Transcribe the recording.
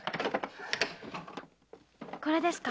・これですか？